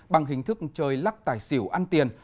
bằng hình thức chơi lắc tài xỉu ăn tiền